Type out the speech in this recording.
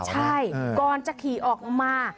ใช่ก่อนจะขี่ออกมา